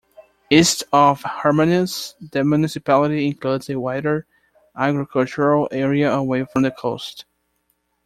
East of Hermanus the municipality includes a wider agricultural area away from the coast.